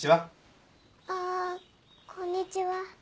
ああこんにちは。